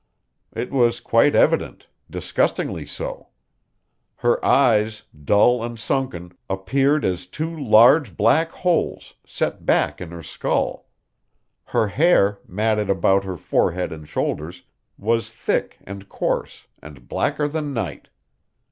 It was quite evident disgustingly so. Her eyes, dull and sunken, appeared as two large, black holes set back in her skull. Her hair, matted about her forehead and shoulders, was thick and coarse, and blacker than night.